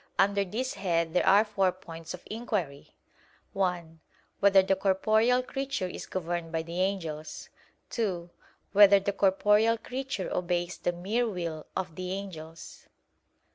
Under this head there are four points of inquiry: (1) Whether the corporeal creature is governed by the angels? (2) Whether the corporeal creature obeys the mere will of the angels?